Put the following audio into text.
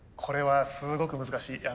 これはすごく難しい。